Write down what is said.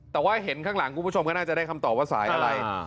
แต่ว่าเห็นข้างหลังคุณผู้ชมก็น่าจะได้คำตอบว่าสายอะไร